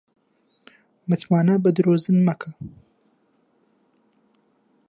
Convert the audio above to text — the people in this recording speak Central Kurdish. متمانە بە درۆزن مەکە